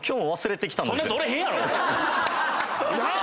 なあ！